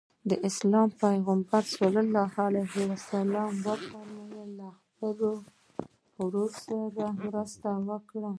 د اسلام پیغمبر ص وفرمایل له خپل ورور سره مرسته وکړئ.